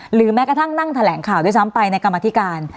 แม้กระทั่งนั่งแถลงข่าวด้วยซ้ำไปในกรรมธิการ